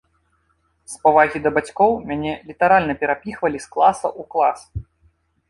З павагі да бацькоў мяне літаральна перапіхвалі з класа ў клас.